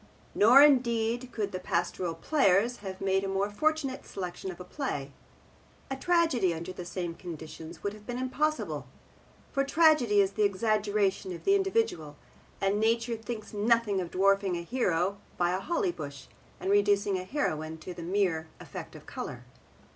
Nor indeed could the Pastoral Players have made a more fortunate selection of a play. A tragedy under the same conditions would have been impossible. For tragedy is the exaggeration of the individual, and nature thinks nothing of dwarfing a hero by a holly bush, and reducing a heroine to a mere effect of colour.